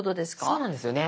そうなんですよね。